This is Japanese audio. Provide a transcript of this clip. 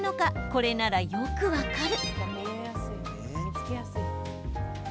これならよく分かる。